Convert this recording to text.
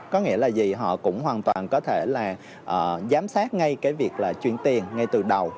có nghĩa là gì họ cũng hoàn toàn có thể là giám sát ngay cái việc là chuyển tiền ngay từ đầu